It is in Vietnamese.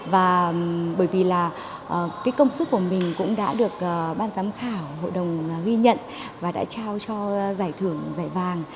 và bởi vì là cái công sức của mình cũng đã được ban giám khảo hội đồng ghi nhận và đã trao cho giải thưởng giải vàng